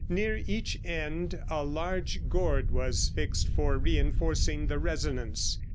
Near each end a large gourd was fixed, for reinforcing the resonance.